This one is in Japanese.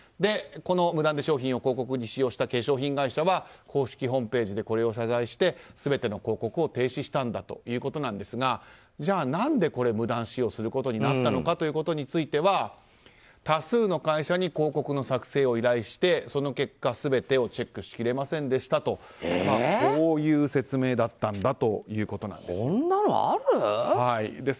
無断で商品を広告に使用した化粧品会社は公式ホームページでこれを謝罪して全ての広告を停止したんだということですがじゃあ、何でこれ無断使用することになったのかということについては多数の会社に広告の作成を依頼してその結果全てをチェックしきれませんでしたという説明だったんです。